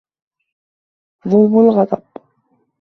ظُلْمَ الْغَضَبِ